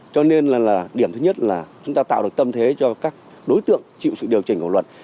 cho nên là điểm thứ nhất là chúng ta tạo được tâm thế cho các đối tượng chịu sự điều chỉnh của luật